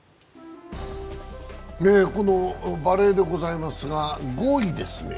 このバレーでございますが、５位ですね。